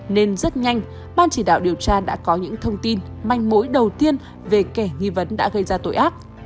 nên rất nhanh ban chỉ đạo điều tra đã có những thông tin manh mối đầu tiên về kẻ nghi vấn đã gây ra tội ác